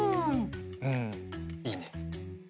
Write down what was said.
うんいいね。